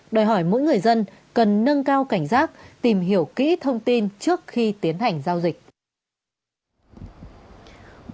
đòi hỏi mỗi người dân cần nâng cao cảnh giác tìm hiểu kỹ thông tin trước khi tiến hành giao dịch